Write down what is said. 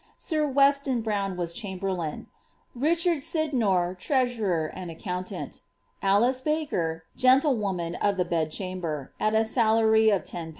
sir Weston Brovae was chamberlain, Richard Sydnour, treasurer and accountant; Alict Baker, gentlewoman of the bedchamber, at a salary of 10/^ and .